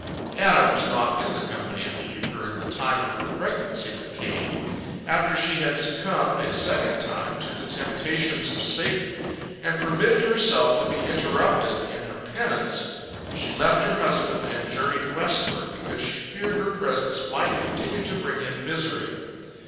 " Adam was not in the company of Eve during the time of her pregnancy with Cain. After she had succumbed a second time to the temptations of Satan, and permitted herself to be interrupted in her penance, she left her husband and journeyed westward, because she feared her presence might continue to bring him misery.